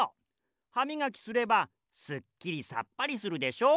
ハミガキすればすっきりさっぱりするでしょう？